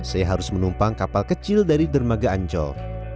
saya harus menumpang kapal kecil dari dermaga ancol